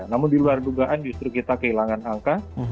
namun di luar dugaan justru kita kehilangan angka